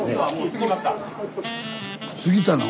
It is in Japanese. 過ぎたの？